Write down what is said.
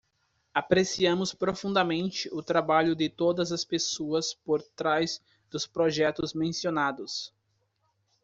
Apreciamos profundamente o trabalho de todas as pessoas por trás dos projetos mencionados.